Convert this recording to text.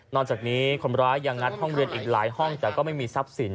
จากนี้คนร้ายยังงัดห้องเรียนอีกหลายห้องแต่ก็ไม่มีทรัพย์สิน